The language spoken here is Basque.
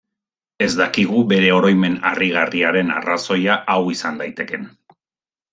Ez dakigu bere oroimen harrigarriaren arrazoia hau izan daitekeen.